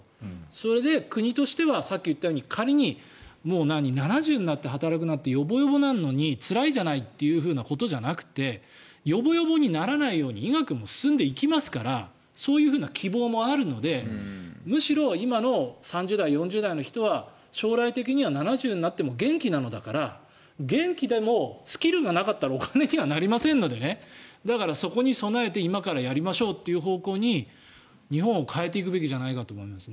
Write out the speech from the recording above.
それで、国としてはさっき言ったように仮に７０歳になって働くなんてよぼよぼなのにつらいという話じゃなくてよぼよぼにならないように医学も進んでいきますからそういうふうな希望もあるのでむしろ今の３０代、４０代の人は将来的には７０になっても元気なのだから元気でもスキルがなかったらお金にはなりませんのでだからそこに備えて今からやりましょうという方向に日本を変えていくべきじゃないかなと思います。